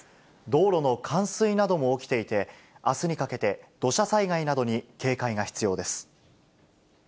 道路の冠水なども起きていて、あすにかけて、土砂災害などに警戒が必要です。